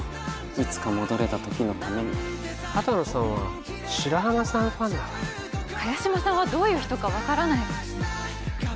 いつか戻れたときのために畑野さんは白浜さんファンだから萱島さんはどういう人か分からない